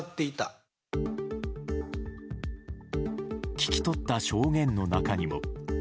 聞き取った証言の中にも。